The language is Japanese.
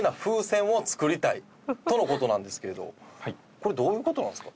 これどういう事なんですか？